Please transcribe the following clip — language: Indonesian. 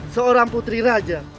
seorang putri raja